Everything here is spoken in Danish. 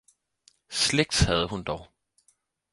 Slægt havde hun dog.